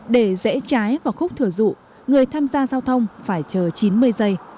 để dễ trái vào khúc thừa dụ người tham gia giao thông phải chờ chín mươi giây